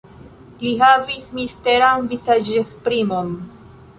Li havis misteran vizaĝesprimon.